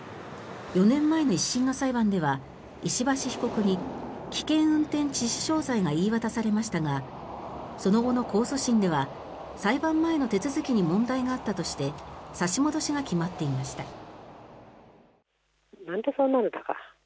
４年前の１審の裁判では石橋被告に危険運転致死傷罪が言い渡されましたがその後の控訴審では裁判前の手続きに問題があったとして差し戻しが決まっていました。